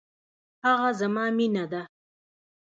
هغه زما مينه ده.